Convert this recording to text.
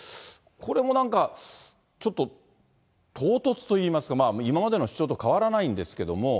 これもなんか、ちょっと、唐突といいますか、今までの主張と変わらないんですけれども。